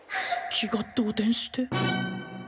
気が動転して？